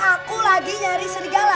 aku lagi nyari serigala